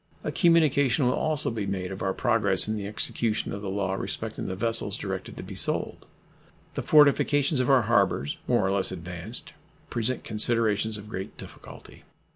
A communication will also be made of our progress in the execution of the law respecting the vessels directed to be sold. The fortifications of our harbors, more or less advanced, present considerations of great difficulty.